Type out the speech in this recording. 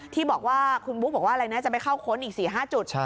ที่บอกว่าคุณบุ๊คบอกว่าอะไรนะจะไปเข้าค้นอีก๔๕จุด